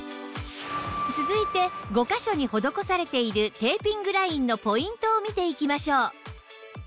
続いて５箇所に施されているテーピングラインのポイントを見ていきましょう